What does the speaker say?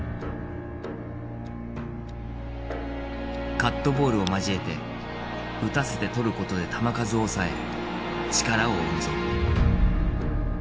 カットボールを交えて打たせてとることで球数を抑え力を温存。